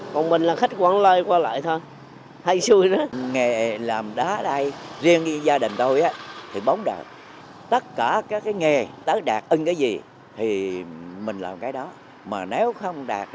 còn mình là khách quán lơi qua lại thôi hay chui đó